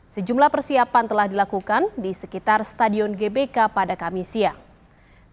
sejumlah persiapan telah dilakukan di sekitar stadion gbk pada kamis siang